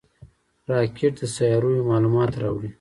راکټ د سیارویو معلومات راوړي